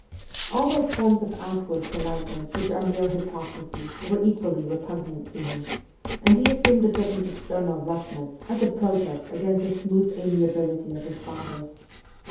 All those forms of outward politeness which are mere hypocrisy were equally repugnant to him, and he assumed a certain external roughness as a protest against the smooth amiability of his fathers.